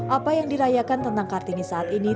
apa yang dirayakan tentang kartini saat ini